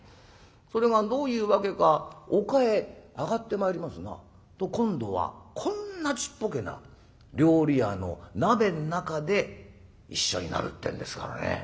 それがどういうわけかおかへ上がってまいりますな。と今度はこんなちっぽけな料理屋の鍋ん中で一緒になるってんですからね。